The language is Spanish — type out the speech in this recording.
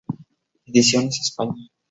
Ediciones España.